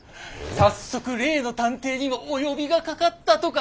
早速例の探偵にもお呼びがかかったとか。